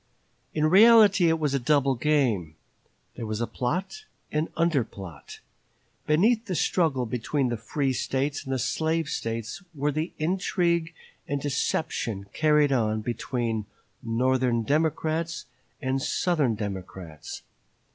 In reality it was a double game. There was plot and under plot. Beneath the struggle between the free States and the slave States were the intrigue and deception carried on between Northern Democrats and Southern Democrats.